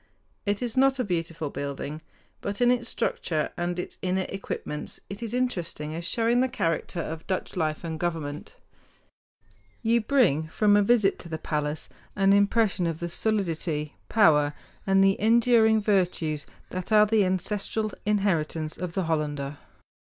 It is not a beautiful building; but in its structure and its inner equipments it is interesting as showing the character of Dutch life and government. You bring from a visit to the palace an impression of the solidity, power, and the enduring virtues that are the ancestral inheritance of the Hollander.